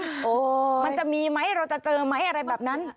มันจะมีไหมเราจะเจอไหมอะไรแบบนั้น